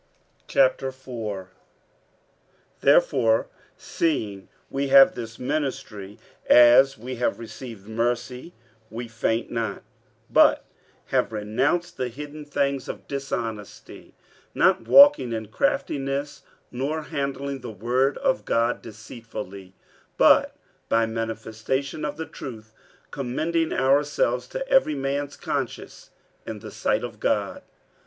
47:004:001 Therefore seeing we have this ministry, as we have received mercy, we faint not; 47:004:002 But have renounced the hidden things of dishonesty, not walking in craftiness, nor handling the word of God deceitfully; but by manifestation of the truth commending ourselves to every man's conscience in the sight of God.